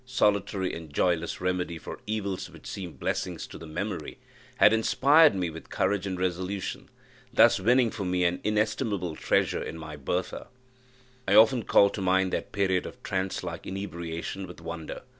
solitary and joyless remedy for evils which seem blessings to the memory), had inspired me with courage and resolution, thus winning for me an inestimable treasure in my Bertha. I often called to mind that period of trance like inebriation with wonder.